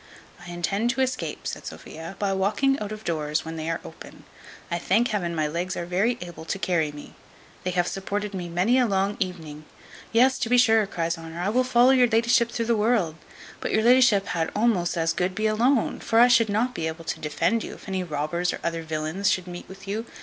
"I intend to escape," said Sophia, "by walking out of the doors when they are open. I thank Heaven my legs are very able to carry me. They have supported me many a long evening" "Yes, to be sure," cries Honour, "I will follow your la'ship through the world; but your la'ship had almost as good be alone: for I should not be able to defend you, if any robbers, or other villains, should meet with you.